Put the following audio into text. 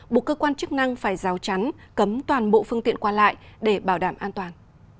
buộc cơ quan chức năng phải rào chắn cấm toàn bộ phương tiện qua lại để bảo đảm an toàn